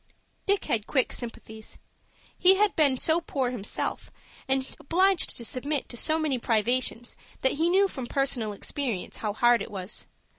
Dick had quick sympathies. He had been so poor himself, and obliged to submit to so many privations that he knew from personal experience how hard it was.